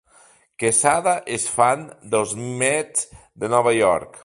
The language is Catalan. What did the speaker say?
Quesada és fan dels Mets de Nova York.